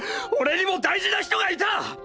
俺にも大事な人がいた！！